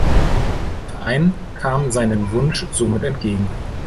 Der Verein kam seinen Wunsch somit entgegen.